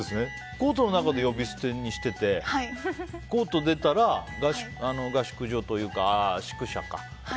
コートの中で呼び捨てにしててコート出たら合宿所というか宿舎化。